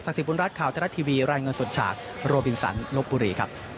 ศักดิ์สิทธิ์บุญรัฐข่าวทรัฐทีวีรายเงินสดฉากโรบินสันนกบุรีครับ